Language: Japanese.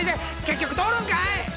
結局通るんかい！